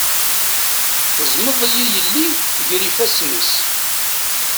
Teẓmeḍ -iyi yelli ger ifassen-is.